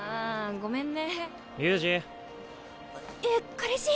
ごめんね。